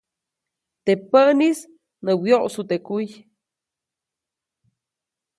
Teʼ päʼnis nä wyoʼsu teʼ kuy.